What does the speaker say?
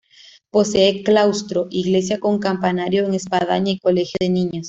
Posee claustro, iglesia con campanario en espadaña y colegio de niñas.